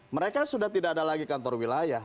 mereka sudah tidak ada lagi kantor wilayah